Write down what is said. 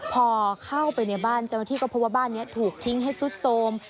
พอเข้าไปในบ้านเจ้าหน้าที่ก็พบว่าบ้านนี้ถูกทิ้งให้สุดโทรม